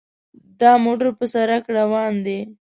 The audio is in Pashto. دا موټر په سړک روان دی.